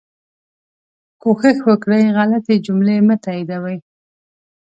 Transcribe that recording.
کوښښ وکړئ غلطي جملې مه تائیدوئ